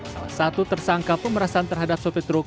salah satu tersangka pemerasan terhadap sopi truk